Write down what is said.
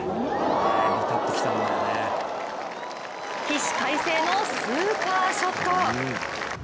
起死回生のスーパーショット。